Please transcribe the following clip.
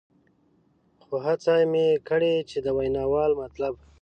خو هڅه مې کړې چې د ویناوال مطلب.